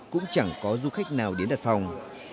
cũng chẳng có du khách nào đến đặt phòng